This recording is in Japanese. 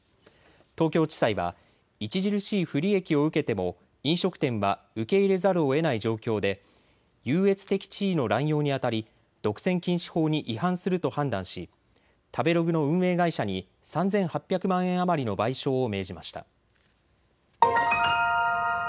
東京地裁は著しい不利益を受けても飲食店は受け入れざるをえない状況で優越的地位の乱用にあたり独占禁止法に違反すると判断し食べログの運営会社に３８００万円余りの賠償を命じました。